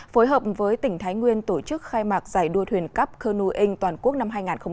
phối hợp với tỉnh thái nguyên tổ chức khai mạc giải đua thuyền cấp cơ nui ính toàn quốc năm hai nghìn hai mươi